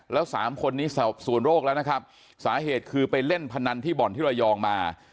แล้วสามคนนี้สอบส่วนโรคแล้วนะครับสาเหตุคือไปเล่นพนันที่บ่อนที่ระยองมา